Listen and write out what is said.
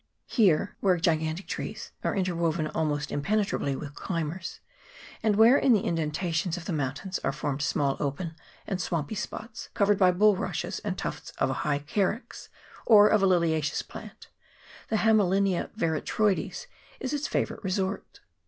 Here, where gigantic trees are interwoven almost impenetrably with climbers, and where in the in dentations of the mountains are formed small open and swampy spots covered by bulrushes and tufts of a high carex, or a liliaceous plant, the Hame linia veratroides, is its favourite resort.